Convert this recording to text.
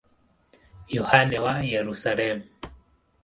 Yohane wa Yerusalemu.